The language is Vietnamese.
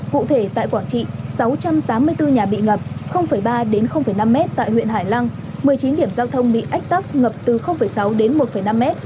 cụ thể tại quảng trị sáu trăm tám mươi bốn nhà bị ngập ba đến năm m tại huyện hải lăng một mươi chín điểm giao thông bị ách tắc ngập từ sáu đến một năm m